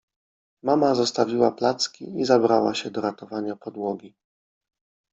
Mama zostawiła placki i zabrała się do ratowania podłogi.